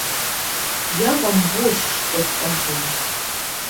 Я вам вось што скажу.